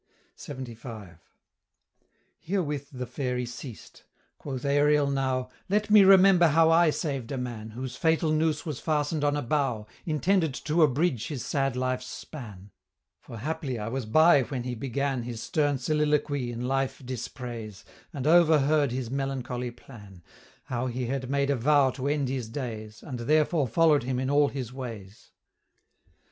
LXXV. Herewith the Fairy ceased. Quoth Ariel now "Let me remember how I saved a man, Whose fatal noose was fastened on a bough, Intended to abridge his sad life's span; For haply I was by when he began His stern soliloquy in life dispraise, And overheard his melancholy plan, How he had made a vow to end his days, And therefore follow'd him in all his ways."